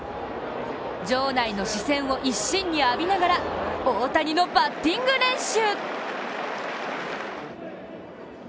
場内の視線を一身に浴びながら大谷のバッティング練習。